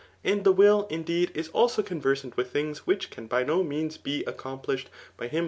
And the will, indeed, is also conversant with things which can hy no means, be ac complished by him.